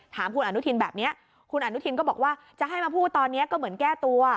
ถามคุณอนุทินแบบนี้คุณอนุทินก็บอกว่าจะให้มาพูดตอนนี้ก็เหมือนแก้ตัว